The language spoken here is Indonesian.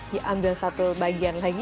diambil satu bagian lagi